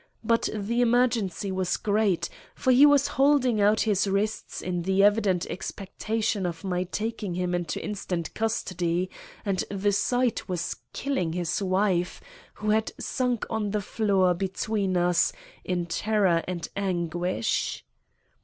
But the emergency was great, for he was holding out his wrists in the evident expectation of my taking him into instant custody; and the sight was killing his wife, who had sunk on the floor between us, in terror and anguish.